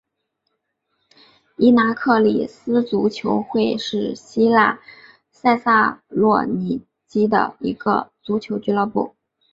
伊拿克里斯足球会是希腊塞萨洛尼基的一个足球俱乐部。